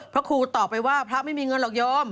พระครูตอบไปว่าพระไม่มีเงินหรอกโยม